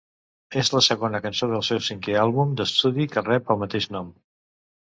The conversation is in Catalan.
És la segona cançó del seu cinquè àlbum d'estudi, que rep el mateix nom.